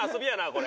これ。